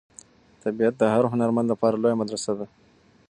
طبیعت د هر هنرمند لپاره لویه مدرسه ده.